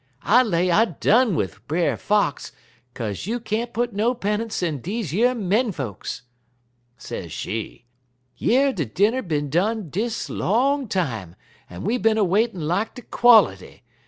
'I lay I done wid Brer Fox, kaze you can't put no pennunce in deze yer men folks,' sez she. 'Yer de dinner bin done dis long time, en we bin a waitin' lak de quality.